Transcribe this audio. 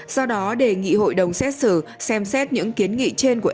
do đó đề nghị hội đồng xét xử xem xét những kiến nghị